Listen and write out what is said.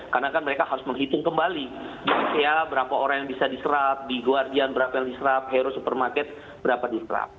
karena kan mereka harus menghitung kembali di asia berapa orang yang bisa diserap di guardian berapa yang diserap hero supermarket berapa diserap